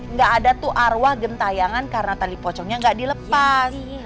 nggak ada tuh arwah gentayangan karena tali pocongnya nggak dilepas